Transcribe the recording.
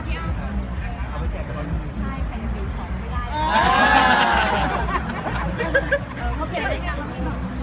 ใช่ของวิดาอีก